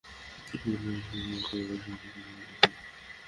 তোর মায়ের সম্পর্কে এইবার সঠিক কথা বলেছিস।